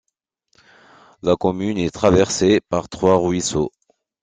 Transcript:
La commune est traversée par trois ruisseaux.